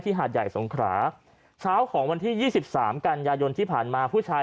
หาดใหญ่สงขราเช้าของวันที่๒๓กันยายนที่ผ่านมาผู้ชาย